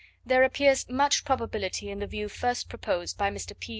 There appears much probability in the view first proposed by Mr. P.